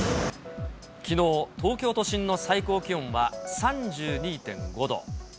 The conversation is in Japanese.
きのう、東京都心の最高気温は３２．５度。